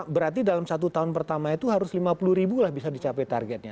berarti dalam satu tahun pertama itu harus lima puluh ribu lah bisa dicapai targetnya